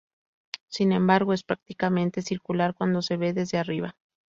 Sin embargo, es prácticamente circular cuando se ve desde arriba.